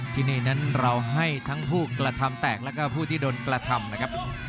ที่นี่นั้นเราให้ทั้งผู้กระทำแตกแล้วก็ผู้ที่โดนกระทำนะครับ